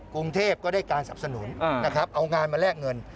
กรุงเทพก็ได้การสับสนุนนะครับเอางานมาแลกเงิน